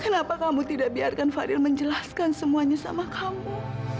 kenapa kamu tidak biarkan fadil menjelaskan semuanya sama kamu